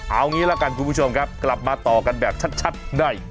เอางี้ละกันคุณผู้ชมครับกลับมาต่อกันแบบชัดใน